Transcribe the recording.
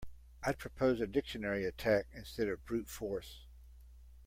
I'd propose a dictionary attack instead of brute force.